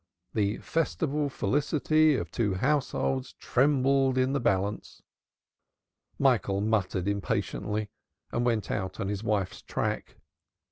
The festival felicity of two households trembled in the balance. Michael muttered impatiently and went out on his wife's track.